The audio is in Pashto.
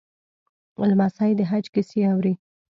لمسی د حج کیسې اوري.